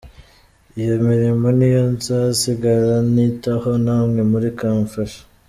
Iyo mirimo ni yo nzasigara nitaho namwe muri kumfasha.